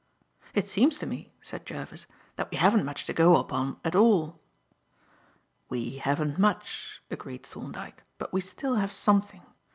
"It seems to me," said Jervis, "that we haven't much to go upon at all." "We haven't much," agreed Thorndyke, "but still we have something.